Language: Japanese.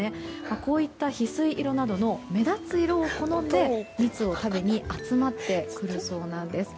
こういったヒスイ色などの目立つ色を好んで蜜を食べに集まってくるそうなんです。